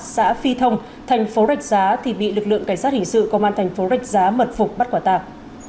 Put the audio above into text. xã phi thông thành phố rạch giá thì bị lực lượng cảnh sát hình sự công an thành phố rạch giá mật phục bắt quả tạp